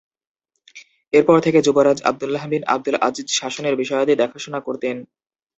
এরপর থেকে যুবরাজ আবদুল্লাহ বিন আবদুল আজিজ শাসনের বিষয়াদি দেখাশোনা করতেন।